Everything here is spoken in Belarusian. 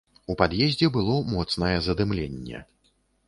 У пад'ездзе было моцнае задымленне.